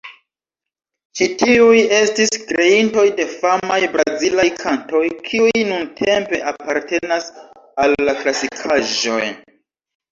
Ĉi tiuj estis kreintoj de famaj brazilaj kantoj, kiuj nuntempe apartenas al la klasikaĵoj.